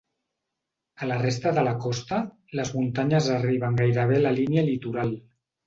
A la resta de la costa, les muntanyes arriben gairebé a la línia litoral.